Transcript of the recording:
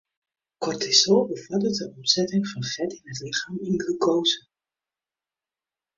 Kortisol befoarderet de omsetting fan fet yn it lichem yn glukoaze.